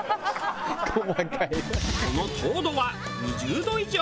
その糖度は２０度以上。